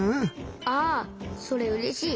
ああそれうれしい。